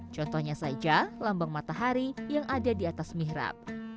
contohnya saja lambang matahari yang ada di atas mihrab